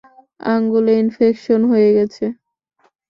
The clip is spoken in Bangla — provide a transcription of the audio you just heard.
আঙুলে ইনফেকশন হয়ে গেছে!